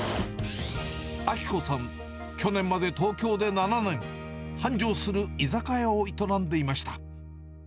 明子さん、去年まで東京で７年、繁盛する居酒屋を営んでいました。